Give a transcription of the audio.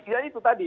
ya itu tadi